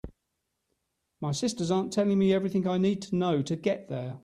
My sisters aren’t telling me everything I need to know to get there.